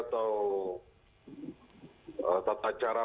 atau tata cerita atau tata cerita